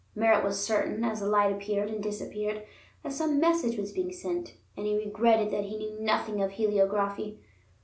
Merritt was certain, as the light appeared and disappeared, that some message was being sent, and he regretted that he knew nothing of heliography.